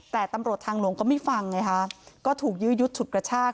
แต่ตำรวจทางหลวงก็ไม่ฟังไงฮะก็ถูกยื้อยุดฉุดกระชาก